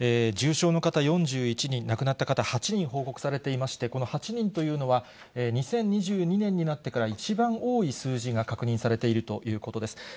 重症の方４１人、亡くなった方８人報告されていまして、この８人というのは、２０２２年になってから一番多い数字が確認されているということです。